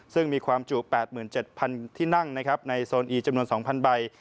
ซึ่งมีความจุ๘๗๐๐ที่นั่งในโซนอีจำนวน๒๐๐ใบ